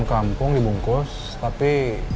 kampung dibungkus tapi